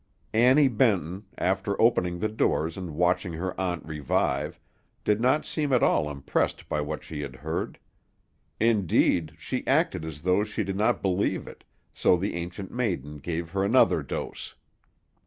Annie Benton, after opening the doors and watching her aunt revive, did not seem at all impressed by what she had heard; indeed, she acted as though she did not believe it, so the Ancient Maiden gave her another dose.